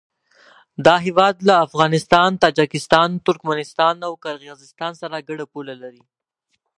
دا هېواد له افغانستان، تاجکستان، ترکمنستان او قرغیزستان سره ګډه پوله لري.